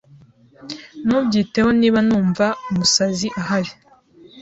Ntubyiteho niba numva umusazi ahari